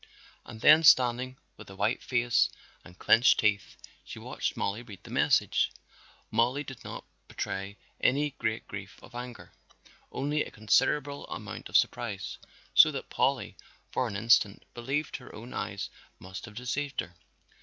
And then standing with a white face and clenched teeth she watched Mollie read the message. Mollie did not betray any great grief or anger, only a considerable amount of surprise, so that Polly for an instant believed her own eyes must have deceived her.